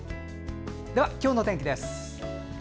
では今日の天気です。